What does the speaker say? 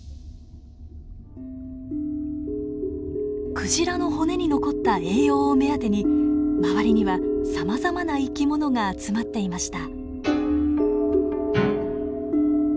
クジラの骨に残った栄養を目当てに周りにはさまざまな生き物が集まっていました。